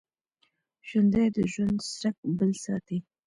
ژوندي د ژوند څرک بل ساتي